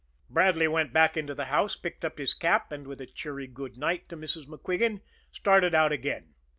Bradley went back into the house, picked up his cap, and, with a cheery good night to Mrs. MacQuigan, started out again.